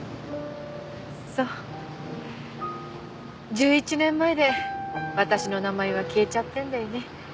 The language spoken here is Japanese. １１年前で私の名前は消えちゃってるんだよね